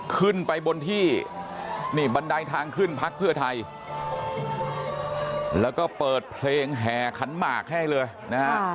ขึ้นไปบนที่นี่บันไดทางขึ้นพักเพื่อไทยแล้วก็เปิดเพลงแห่ขันหมากให้เลยนะฮะ